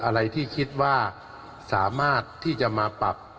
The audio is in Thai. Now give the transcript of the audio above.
อะไรที่คิดว่าสามารถที่จะมาปรับ